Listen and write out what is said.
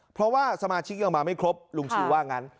เพราะว่าสมาชิกยังมาไม่ครบลุงชูว่างั้น